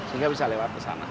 sehingga bisa lewat kesana